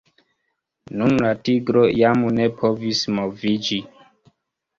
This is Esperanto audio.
Nun la tigro jam ne povis moviĝi.